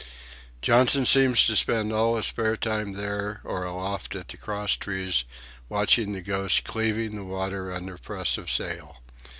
Johnson seems to spend all his spare time there or aloft at the crosstrees, watching the Ghost cleaving the water under press of sail.